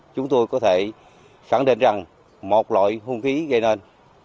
chúng tôi có thể khẳng định rằng một loại hung khí gây nên